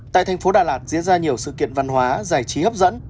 tại tp đà lạt diễn ra nhiều sự kiện văn hóa giải trí hấp dẫn